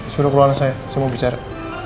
suruh keluar saya saya mau bicara